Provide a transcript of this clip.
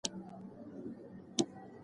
ایا مسواک د حافظې لپاره ګټور دی؟